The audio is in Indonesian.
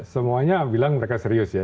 semuanya bilang mereka serius ya